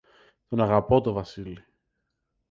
Τον αγαπώ τον Βασίλη